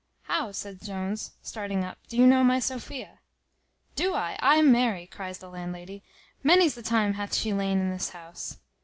"How," says Jones, starting up, "do you know my Sophia?" "Do I! ay marry," cries the landlady; "many's the time hath she lain in this house."